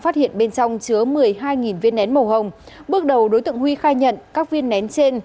phát hiện bên trong chứa một mươi hai viên nén màu hồng bước đầu đối tượng huy khai nhận các viên nén trên